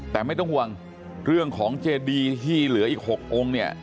แต่ไม่ต้องห่วงเรื่องของเจดีที่เหลืออีก๖องค์เนี่ย